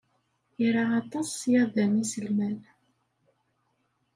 Ira aṭas ṣṣyada n yiselman.